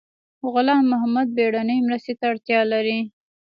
غلام محد بیړنۍ مرستې ته اړتیا لري